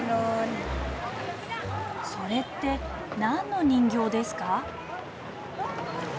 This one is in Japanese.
それって何の人形ですか？